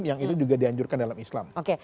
yang itu juga dianjurkan dalam islam